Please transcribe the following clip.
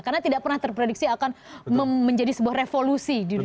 karena tidak pernah terprediksi akan menjadi sebuah revolusi